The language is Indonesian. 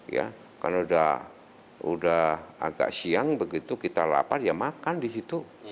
ya karena udah agak siang begitu kita lapar ya makan di situ